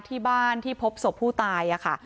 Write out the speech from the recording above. ที่บ้านที่พบศพผู้ตายค่ะ